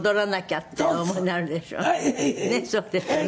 そうですよね。